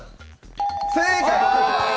正解！